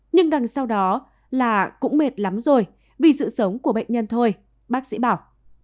nhưng đằng sau đó là cũng mệt lắm rồi vì sự sống của bệnh nhân thôi bác sĩ bảo